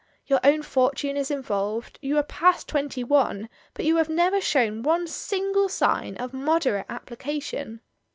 Your own fortune is involved, you are past twenty one, but you have never shown one single sign of moderate application.